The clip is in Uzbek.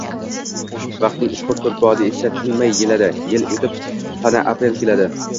Vaqtning uchqur tulpori esa tinmay yeladi, yil oʻtib, yana aprel keladi